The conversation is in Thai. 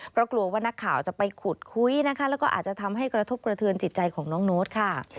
เพราะกลัวว่านักข่าวจะไปขุดคุยนะคะแล้วก็อาจจะทำให้กระทบกระเทือนจิตใจของน้องโน้ตค่ะ